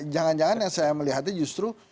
jangan jangan yang saya melihatnya justru